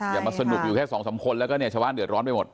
อย่ามาสนุกอยู่แค่สองสามคนแล้วก็เนี่ยชาวบ้านเดือดร้อนไปหมด